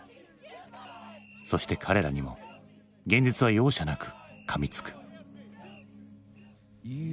そして彼らにも現実は容赦なくかみつく。